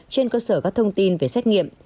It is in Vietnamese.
trên cơ sở các thông tin về xét nghiệm